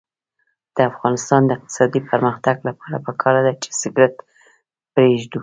د افغانستان د اقتصادي پرمختګ لپاره پکار ده چې سګرټ پریږدو.